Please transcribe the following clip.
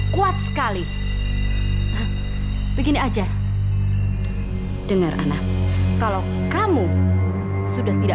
mama tidak akan pernah maafin kamu lagi